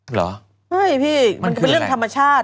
หรอมันคืออะไรมันเป็นเรื่องธรรมชาติ